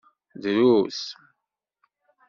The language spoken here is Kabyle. Drus.